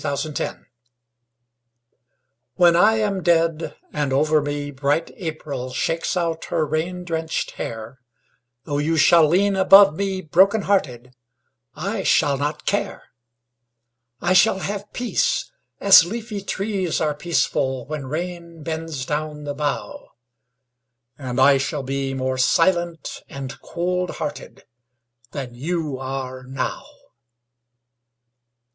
6 Autoplay When I am dead and over me bright April Shakes out her rain drenched hair, Though you shall lean above me broken hearted, I shall not care. I shall have peace, as leafy trees are peaceful When rain bends down the bough; And I shall be more silent and cold hearted Than you are now.